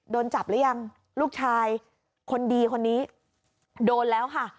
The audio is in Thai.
โดนจับหรือยังลูกชายคนดีคนนี้โดนแล้วค่ะ